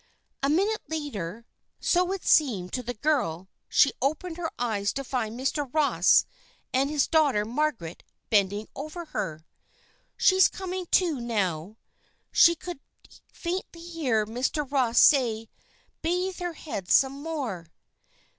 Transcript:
A minute later, so it seemed to the girl, she opened her eyes to find Mr. Ross and his daughter, Margaret, bending over her. "She's coming to, now," she could faintly hear Mr. Ross say. "Bathe her head some more."